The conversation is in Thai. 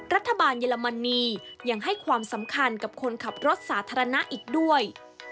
รัฐบาลเยอรมนียังให้ความสำคัญกับคนขับรถสาธารณะอีกด้วย